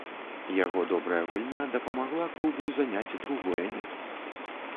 Яго добрая гульня дапамагла клубу заняць другое месца.